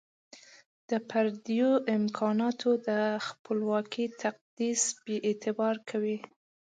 د پردیو امکانات د خپلواکۍ تقدس بي اعتباره کوي.